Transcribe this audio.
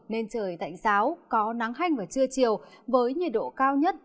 nên trời đạnh sáo có nắng hanh vào trưa chiều với nhiệt độ cao nhất